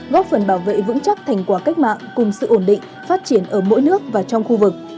góp phần bảo vệ vững chắc thành quả cách mạng cùng sự ổn định phát triển ở mỗi nước và trong khu vực